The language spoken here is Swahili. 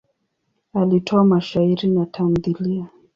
Alitoa mashairi na tamthiliya.